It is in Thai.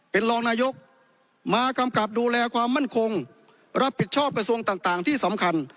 เป็นรองนายกมากำกับดูแลความมั่นคงรับผิดชอบกระทรวงต่างที่สำคัญ